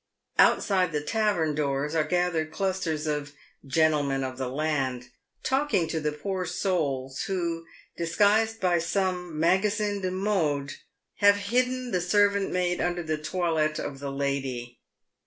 Outside the tavern doors are gathered clusters of " gentlemen PAYED WITH GOLD. 107 of the laud" talking to the poor souls who, disguised by some " magasin de modes," have hidden the servant maid under the toilette of the lady.